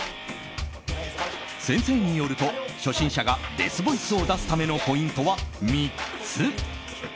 先生によると初心者がデスボイスを出すためのポイントは３つ。